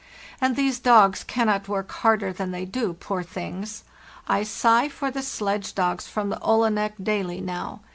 And these dogs cannot work harder than they do, poor things. I sigh for the sledge dogs from the Olenek daily now.